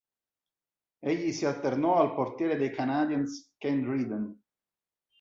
Egli si alternò al portiere dei Canadiens Ken Dryden.